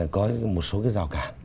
có một số cái rào cản